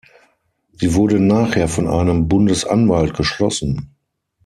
Sie wurde nachher von einem Bundesanwalt geschlossen.